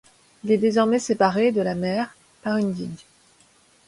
Il est désormais séparé de la mer par une digue.